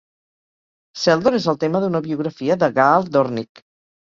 Seldon és el tema d'una biografia de Gaal Dornick.